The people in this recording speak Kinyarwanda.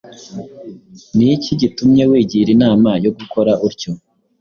Ni iki gitumye wigira inama yo gukora utyo?